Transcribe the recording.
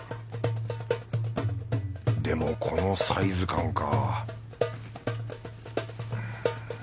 でもこのサイズ感か